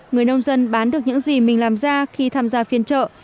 người nông dân bán được những gì mình làm ra khi tham gia phiên chợ